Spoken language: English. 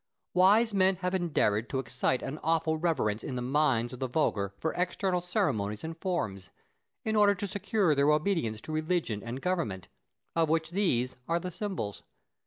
Wise men have endeavoured to excite an awful reverence in the minds of the vulgar for external ceremonies and forms, in order to secure their obedience to religion and government, of which these are the symbols.